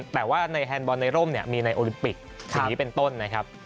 แต่ว่าในแฮนดบอลในร่มมีในโอลิมปิกปีนี้เป็นต้นนะครับ